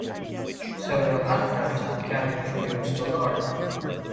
Several aircraft have carried tributes to Lord.